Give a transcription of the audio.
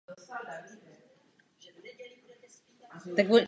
Za druhé světové války byla potopena japonským letectvem.